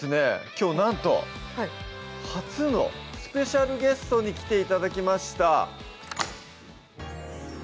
今日なんと初のスペシャルゲストに来て頂きました